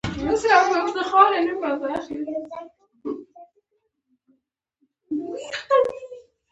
هغه وویل اجازه ورکړه چې شیدې سړې شي بیا یې وڅښه